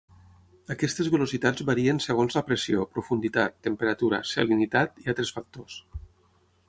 Aquestes velocitats varien segons la pressió, profunditat, temperatura, salinitat i altres factors.